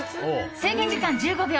制限時間は１５秒。